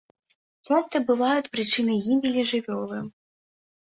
Часта бываюць прычынай гібелі жывёлы.